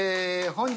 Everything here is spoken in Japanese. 本日